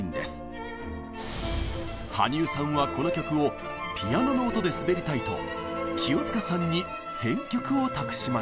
羽生さんはこの曲をピアノの音で滑りたいと清塚さんに編曲を託しました。